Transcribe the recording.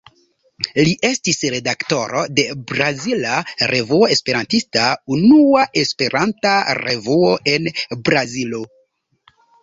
Li estis redaktoro de Brazila Revuo Esperantista, unua Esperanta revuo en Brazilo.